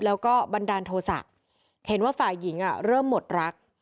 แล้วก็บันดาลโทษะเห็นว่าฝ่ายหญิงเริ่มหมดรัก